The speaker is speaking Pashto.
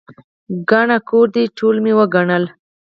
ګڼه کور دی، ټول مې وګڼل.